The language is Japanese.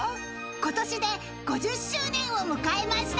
［ことしで５０周年を迎えました］